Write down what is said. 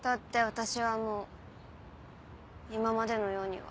私はもう今までのようには。